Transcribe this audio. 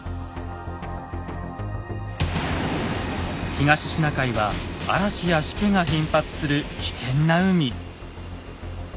東シナ海は嵐やしけが頻発する危険な海。